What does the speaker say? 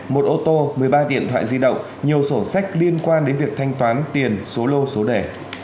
một ô tô một mươi ba điện thoại di động nhiều sổ sách liên quan đến việc thanh toán tiền số lô số đẻ